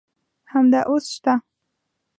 همدا اوس شته.